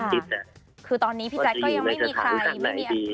คือตอนนี้พี่แจ๊คก็ยังไม่มีใครไม่มี